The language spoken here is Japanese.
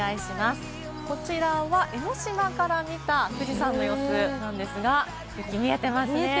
こちらは江の島から見た富士山の様子なんですが、見えてますね。